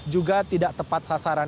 juga tidak tepat sasaran